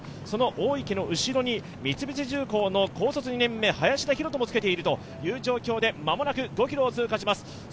その大池の後ろに三菱重工の高卒２年目林田洋翔もつけているという状況で間もなく５ｋｍを通過します。